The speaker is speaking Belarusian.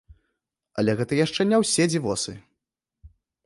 Але гэта яшчэ не ўсе дзівосы!